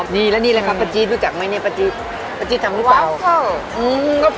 นี่แล้วนี่แหละครับปะจีดรู้จักไหมเนี่ยปะจีดทำหรือเปล่า